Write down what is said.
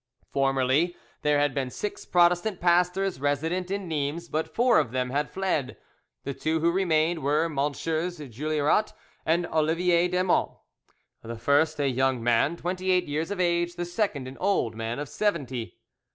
Formerly there had been six Protestant pastors resident in Nimes, but four of them, had fled; the two who remained were MM. Juillerat and Olivier Desmonts, the first a young man, twenty eight years of age, the second an old man of seventy.